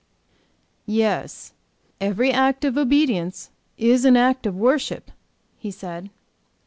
"Yes, every act of obedience is an act of worship," he said.